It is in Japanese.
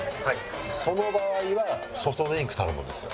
その場合はソフトドリンク頼むんですよ